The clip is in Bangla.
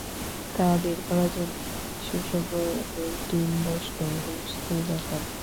তা বের করার জন্যে আবার বিশেষজ্ঞদের টীম বসল, হুলস্থূল ব্যাপার!